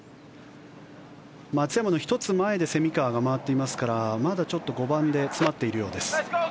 松山の１つ前で蝉川が回っていますからまだちょっと５番で詰まっているようです。